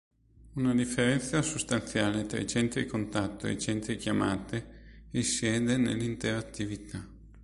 Una differenza sostanziale tra i centri contatto ed i centri chiamate risiede nell'interattività.